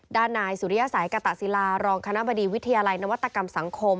ด้านนายสุริยสัยกตะศิลารองคณะบดีวิทยาลัยนวัตกรรมสังคม